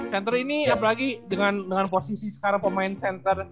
center ini apalagi dengan posisi sekarang pemain center